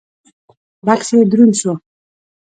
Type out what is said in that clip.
بکس يې دروند شو.